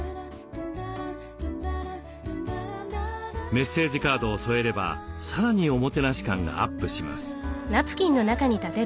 メッセージカードを添えればさらにおもてなし感がアップします。